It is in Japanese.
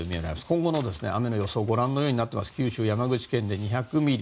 今後の雨の予想はご覧のようになっていて九州、山口県で２００ミリ。